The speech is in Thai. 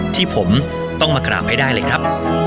ที่ผมต้องมากราบให้ได้เลยครับ